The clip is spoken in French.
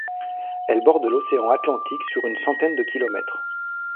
Elle borde l'océan Atlantique sur une centaine de kilomètres.